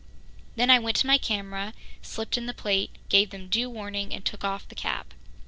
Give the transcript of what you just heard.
Then I went to my camera, slipped in the plate, gave them due warning and took off the cap.